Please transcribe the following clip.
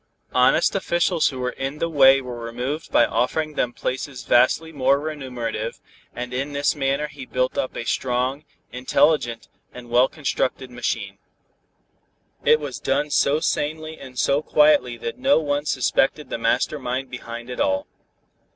Honest officials who were in the way were removed by offering them places vastly more remunerative, and in this manner he built up a strong, intelligent and well constructed machine. It was done so sanely and so quietly that no one suspected the master mind behind it all.